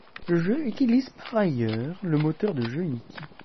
Le jeu utilise par ailleurs le moteur de jeu Unity.